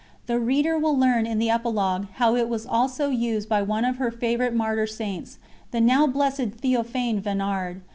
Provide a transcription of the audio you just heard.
The reader will learn in the Epilogue how it was also used by one of her favourite martyr saints the now Blessed Théophane Vénard.